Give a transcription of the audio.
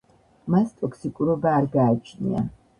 მას ტოქსიკურობა არ გააჩნია.